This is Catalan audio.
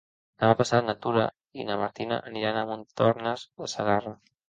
Demà passat na Tura i na Martina aniran a Montornès de Segarra.